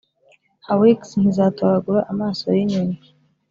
hawks ntizatoragura amaso yinyoni.